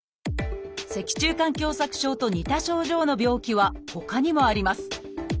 脊柱管狭窄症と似た症状の病気はほかにもあります。